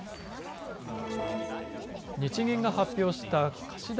日銀が発表した貸出